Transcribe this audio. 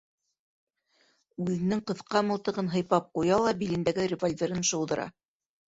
Үҙенең ҡыҫҡа мылтығын һыйпап ҡуя ла билендәге револьверын шыуҙыра.